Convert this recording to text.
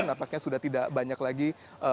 nampaknya sudah tidak banyak lagi